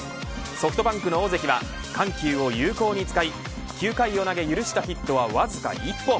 ソフトバンクの大関は緩急を有効に使い９回を投げ許したヒットはわずか１本。